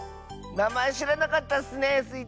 なまえしらなかったッスねスイ